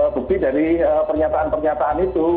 bukti dari pernyataan pernyataan itu